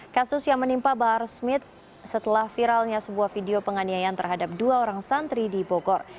kasus yang menimpa bahar smith setelah viralnya sebuah video penganiayaan terhadap dua orang santri di bogor